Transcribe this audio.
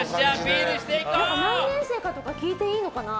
何年生とか聞いていいのかな？